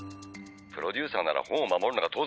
「プロデューサーなら脚本を守るのが当然だろ！」